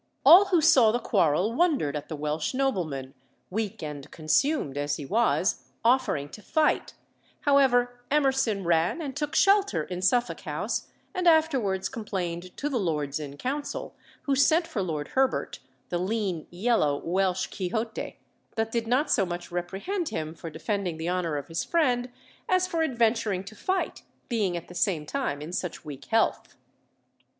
All who saw the quarrel wondered at the Welsh nobleman, weak and "consumed" as he was, offering to fight; however, Emerson ran and took shelter in Suffolk House, and afterwards complained to the Lords in Council, who sent for Lord Herbert, the lean, yellow Welsh Quixote, but did not so much reprehend him for defending the honour of his friend as for adventuring to fight, being at the same time in such weak health.